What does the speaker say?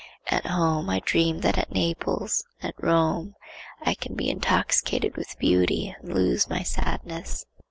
At home I dream that at Naples, at Rome, I can be intoxicated with beauty and lose my sadness.